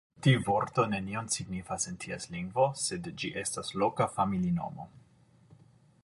Tiu vorto nenion signifas en ties lingvo, sed ĝi estas loka familinomo.